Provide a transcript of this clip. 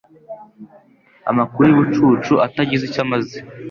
amakuru y'ubucucu atagize icyo amaze